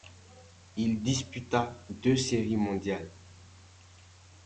Il disputa deux séries mondiales.